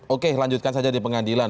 oke lanjutkan saja di pengadilan